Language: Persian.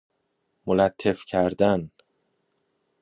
ملتف کردن